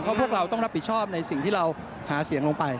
เพราะพวกเราต้องรับผิดชอบในสิ่งที่เราหาเสียงลงไป